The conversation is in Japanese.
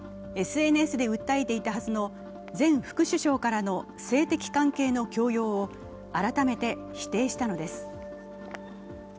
ＳＮＳで訴えていたはずの前副首相からの性的関係の強要を改めて否定したのです。